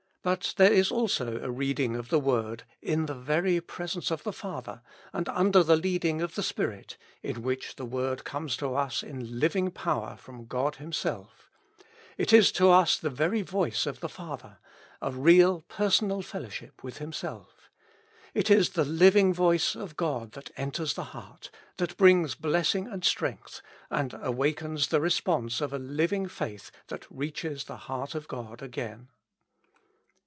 But there is also a reading of the Word, in the very presence of the Father, and under the leading of the Spirit, in which the Word comes to us in living power from God Himself ; it is to us the very voice of the Father, a real personal fellowship with Himself. It is the living voice of God that enters the heart, that brings blessing and strength, and awakens the response of a living faith that reaches the heart of God again.